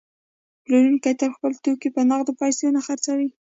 پلورونکی تل خپل توکي په نغدو پیسو نه خرڅوي